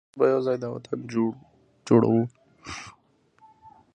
موږ به یو ځای دا وطن جوړوو.